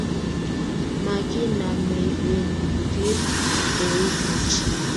Makinamei beny birir ei buch